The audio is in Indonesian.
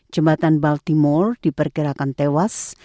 jembatan baltimore dipergerakan tewas